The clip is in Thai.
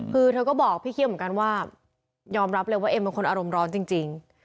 คือเธอก็บอกพี่เคี่ยวเหมือนกันว่ายอมรับเลยว่าเอ็มเป็นคนอารมณ์ร้อนจริง